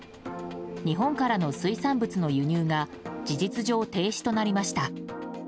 日本からの水産物の輸入が事実上停止となりました。